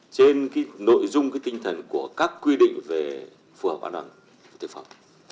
trên cái nội dung cái tinh thần của các quy định về phù hợp an toàn thực phẩm